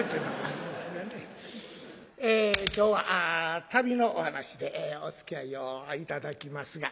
今日は旅のお噺でおつきあいを頂きますが。